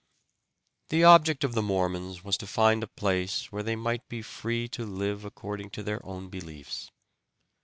The object of the Mormons was to find a place where they might be free to live according to their own beliefs.